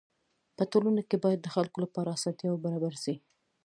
په ټولنه کي باید د خلکو لپاره اسانتياوي برابري سي.